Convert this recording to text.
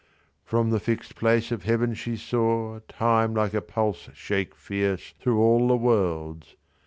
From the fix'd place of Heaven she sawTime like a pulse shake fierceThrough all the worlds.